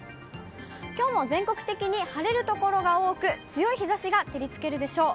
きょうも全国的に晴れる所が多く、強い日ざしが照りつけるでしょう。